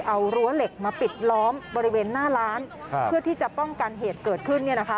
เอารั้วเหล็กมาปิดล้อมบริเวณหน้าร้านเพื่อที่จะป้องกันเหตุเกิดขึ้น